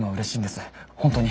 本当に。